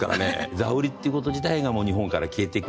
座売りっていうこと自体が日本から消えていく。